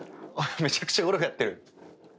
めちゃくちゃゴルフやってる。